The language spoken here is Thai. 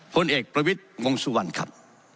ผลเอกประวิทย์วงสุวรรณครับ